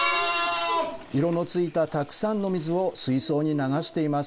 色のついたたくさんの水を水槽に流しています。